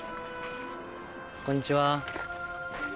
こんにちは。